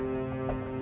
apa yang akan terjadi